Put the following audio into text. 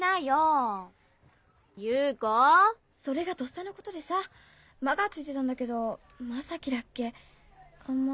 それがとっさのことでさ「マ」がついてたんだけどマサキだっけアマ。